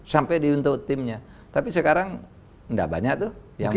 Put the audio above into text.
sampai diuntut timnya tapi sekarang tidak banyak yang membangkit